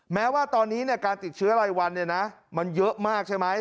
แม้ว่าตอนนี้เนี่ยการติดเชื้อไรวันเนี่ยนะมันเยอะมากใช่ไหม